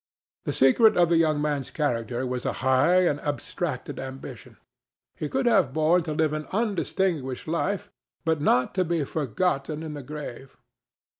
The secret of the young man's character was a high and abstracted ambition. He could have borne to live an undistinguished life, but not to be forgotten in the grave.